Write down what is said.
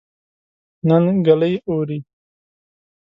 نن ګلۍ اوري